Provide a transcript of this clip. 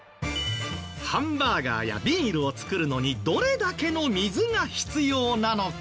ハンバーガーやビールを作るのにどれだけの水が必要なのか？